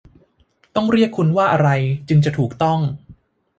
ต้องเรียกคุณว่าอะไรจึงจะถูกต้อง ?